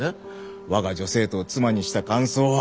我が女生徒を妻にした感想は？